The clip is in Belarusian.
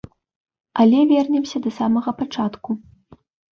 Але вернемся да самага пачатку.